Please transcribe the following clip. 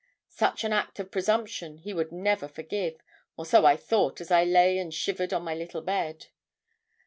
Such an act of presumption he would never forgive, or so I thought as I lay and shivered in my little bed.